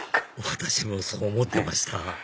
私もそう思ってました